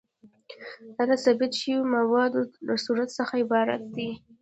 دا د تثبیت شویو مواردو له صورت څخه عبارت دی.